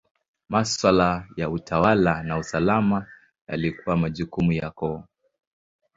Maswala ya utawala na usalama yalikuwa majukumu ya koo.